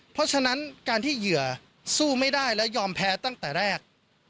เพราะฉะนั้นการที่เหยื่อสู้ไม่ได้และยอมแพ้ตั้งแต่แรก